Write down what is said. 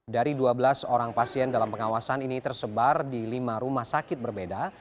dari dua belas orang pasien dalam pengawasan ini tersebar di lima rumah sakit berbeda